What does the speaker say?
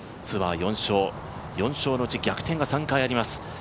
ツアー４勝、４勝のうち、逆転が３回あります。